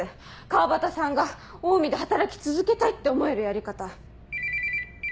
川端さんがオウミで働き続けたいって思えるやり方。